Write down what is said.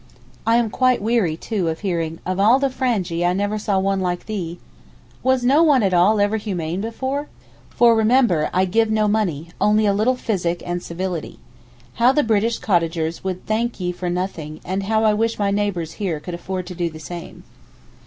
I am quite weary too of hearing 'Of all the Frangee I never saw one like thee.' Was no one ever at all humane before? For remember I give no money—only a little physic and civility. How the British cottagers would 'thank ye for nothing'—and how I wish my neighbours here could afford to do the same.